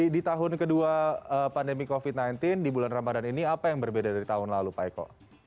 di tahun kedua pandemi covid sembilan belas di bulan ramadan ini apa yang berbeda dari tahun lalu pak eko